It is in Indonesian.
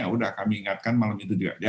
sudah kami ingatkan malam itu juga